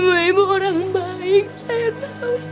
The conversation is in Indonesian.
ibu ibu orang baik saya tahu